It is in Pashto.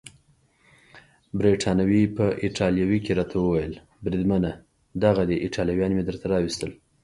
بریتانوي په ایټالوي کې راته وویل: بریدمنه دغه دي ایټالویان مې درته راوستل.